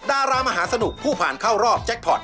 ดารามหาสนุกผู้ผ่านเข้ารอบแจ็คพอร์ต